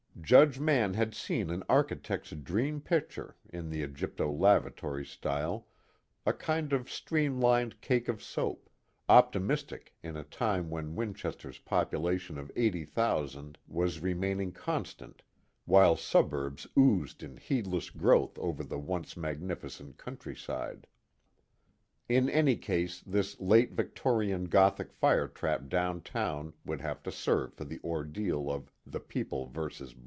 Judge Mann had seen an architect's dream picture in the Egypto lavatory style, a kind of streamlined cake of soap optimistic in a time when Winchester's population of 80,000 was remaining constant while suburbs oozed in heedless growth over the once magnificent countryside. In any case this late Victorian Gothic firetrap downtown would have to serve for the ordeal of _The People vs.